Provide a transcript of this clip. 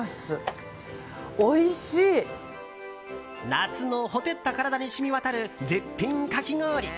夏のほてった体に染み渡る絶品かき氷。